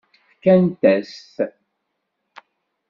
Fkant-as-t.